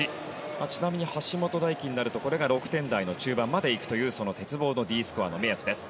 ちなみに橋本大輝になるとこれが６点台の中盤までいくというその鉄棒のＤスコアの目安です。